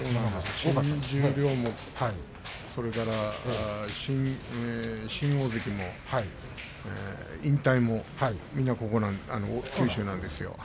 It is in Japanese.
新十両新大関も引退もみんな九州なんですよ。